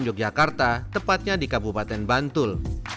yogyakarta tepatnya di kabupaten bantul